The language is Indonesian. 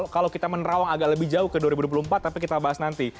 kalau kita menerawang agak lebih jauh ke dua ribu dua puluh empat tapi kita bahas nanti